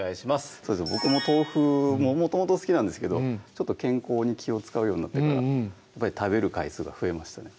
僕も豆腐もともと好きなんですけどちょっと健康に気を遣うようになってから食べる回数が増えましたね